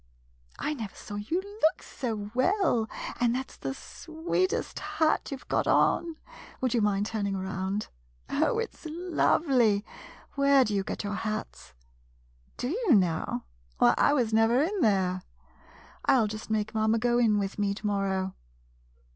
I never saw you look so well, and that 's the sweetest hat you 've got on. Would you mind turning around ? Oh, it's lovely. Where do you get your hats? Do you, now? Why, I never was in there. I '11 just make mamma go in with me to morrow.